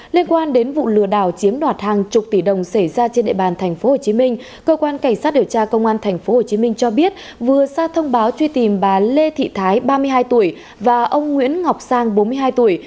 liên quan đến vụ lừa đảo chiếm đoạt hàng chục tỷ đồng xảy ra trên địa bàn tp hcm cơ quan cảnh sát điều tra công an tp hcm cho biết vừa ra thông báo truy tìm bà lê thị thái ba mươi hai tuổi và ông nguyễn ngọc sang bốn mươi hai tuổi